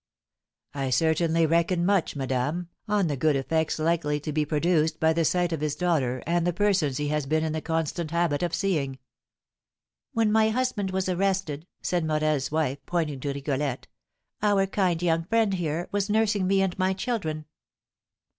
"I certainly reckon much, madame, on the good effects likely to be produced by the sight of his daughter and the persons he has been in the constant habit of seeing." "When my husband was arrested," said Morel's wife, pointing to Rigolette, "our kind young friend here was nursing me and my children."